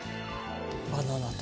バナナと。